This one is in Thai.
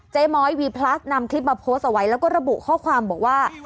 ม้อยวีพลัสนำคลิปมาโพสต์เอาไว้แล้วก็ระบุข้อความบอกว่า